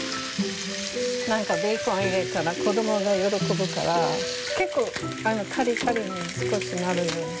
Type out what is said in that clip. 何かベーコン入れたら子どもが喜ぶから結構カリカリになるように。